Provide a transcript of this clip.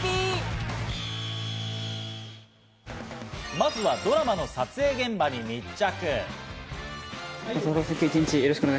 まずはドラマの撮影現場に密着。